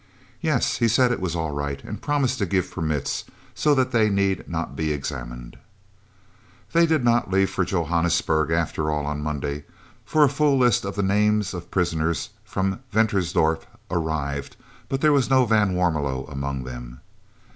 "Yes. He said it was all right, and promised to give permits, so that they need not be examined." They did not leave for Johannesburg, after all, on Monday, for a full list of the names of prisoners from Ventersdorp arrived, but there was no van Warmelo among them.